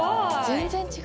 全然違う。